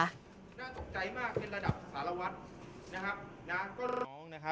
น้าใจมากเป็นระดับสรรวรรณ